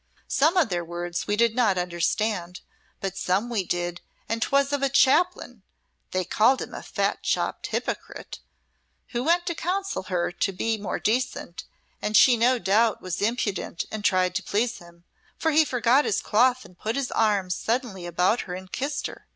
Some of their words we did not understand, but some we did and 'twas of a Chaplain (they called him a fat chopped hipercrit) who went to counsel her to behayve more decent, and she no doubt was impudent and tried to pleas him, for he forgot his cloth and put his arms sudden about her and kist her.